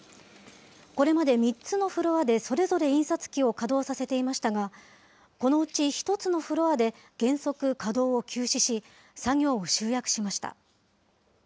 これまで３つのフロアでそれぞれ印刷機を稼働させていましたが、このうち１つのフロアで原則稼働を休止し、作業を集約しました。